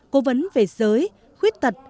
cố vấn về giới khuyết tật